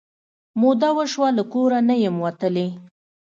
موده وشوه له کور نه یم وتلې